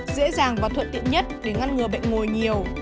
dễ dàng và thuận tiện nhất để ngăn ngừa bệnh mồi nhiều